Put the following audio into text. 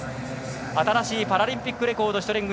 新しいパラリンピックレコードシュトレング。